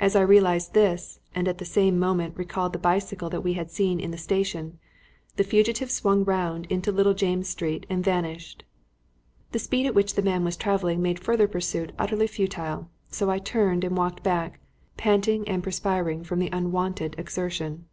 As I realised this, and at the same moment recalled the bicycle that we had seen in the station, the fugitive swung round into Little James' Street and vanished. The speed at which the man was travelling made further pursuit utterly futile, so I turned and walked back, panting and perspiring from the unwonted exertion.